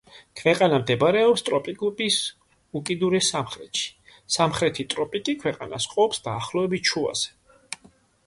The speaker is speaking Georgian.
ქვეყანა მდებარეობს ტროპიკების უკიდურეს სამხრეთში; სამხრეთი ტროპიკი ქვეყანას ყოფს დაახლოებით შუაზე.